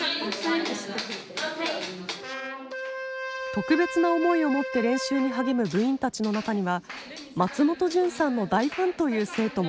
特別な思いを持って練習に励む部員たちの中には松本潤さんの大ファンという生徒も。